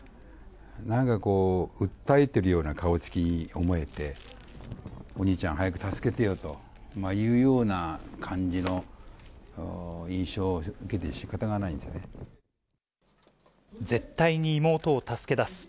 なんかこう、訴えてるような顔つきに思えて、お兄ちゃん、早く助けてよというような感じの印象を受けてしかたがないんです絶対に妹を助け出す。